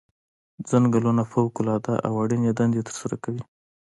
ځنګلونه فوق العاده او اړینې دندې ترسره کوي.